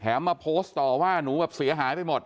มาโพสต์ต่อว่าหนูแบบเสียหายไปหมด